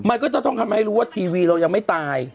มันก็จะต้องทำให้รู้ว่าทีวีเรายังไม่ตาย